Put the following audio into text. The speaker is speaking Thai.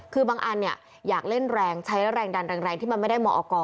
คือบางอันเนี่ยอยากเล่นแรงใช้แรงดันแรงที่มันไม่ได้มออก